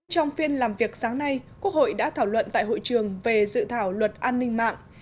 trong phiên làm việc sáng nay quốc hội đã thảo luận tại hội trường về dự thảo luật an ninh mạng